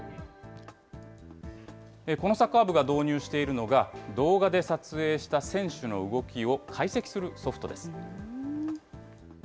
このサッカー部が導入しているのが、動画で撮影した選手の動きを解析するソフトです。